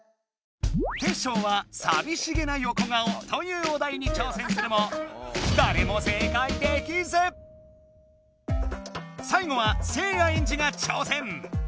テッショウは「さびしげな横顔」というお題に挑戦するも最後はせいやエンジが挑戦！